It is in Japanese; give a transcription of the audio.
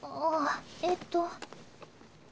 あぁえっと。